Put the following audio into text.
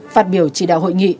phát biểu chỉ đạo hội nghị